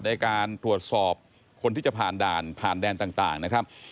ในการตรวจสอบคนที่จะผ่านด่านผ่านแดนต่างนะครับ